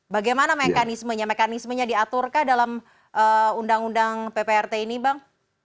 bagaimana mekanismenya mekanismenya diaturkah dalam undang undang pprt ini bang